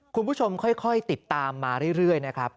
คุณผู้ชมค่อยติดตามมาเรื่อยนะครับ